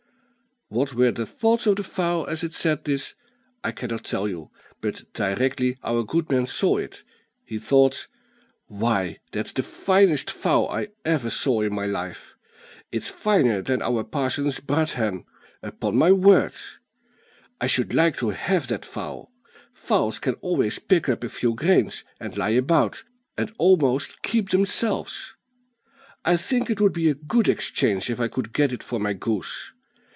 What were the thoughts of the fowl as it said this I cannot tell you; but directly our good man saw it, he thought, "Why that's the finest fowl I ever saw in my life; it's finer than our parson's brood hen, upon my word. I should like to have that fowl. Fowls can always pick up a few grains that lie about, and almost keep themselves. I think it would be a good exchange if I could get it for my goose.